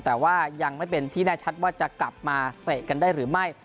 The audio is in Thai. แต่ว่ายังไม่เป็นที่แน่ชัดว่าจะกลับมาเตะกันได้หรือไม่